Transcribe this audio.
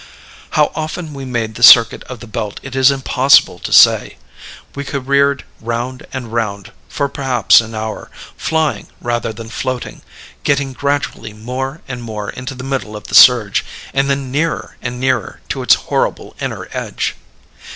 "How often we made the circuit of the belt it is impossible to say. We careered round and round for perhaps an hour, flying rather than floating, getting gradually more and more into the middle of the surge, and then nearer and nearer to its horrible inner edge.